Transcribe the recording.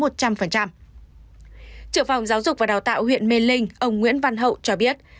trưởng phòng giáo dục và đào tạo huyện mê linh ông nguyễn văn hậu cho biết